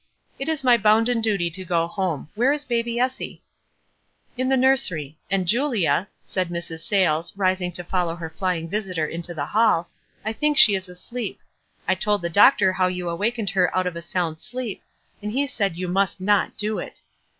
It is my bounden duty to go home. Where is baby Essie?" "In the nursery. And, Julia," said Mrs. Sayles, rising to follow her flying visitor into the hall, "I think she is asleep. I told the doctor how you awakened her out of a sound sleep, and he said you must not do it."